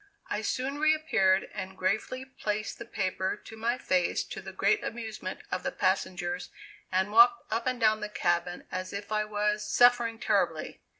I soon reappeared and gravely placed the paper to my face to the great amusement of the passengers and walked up and down the cabin as if I was suffering terribly.